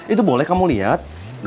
itu boleh kamu lihat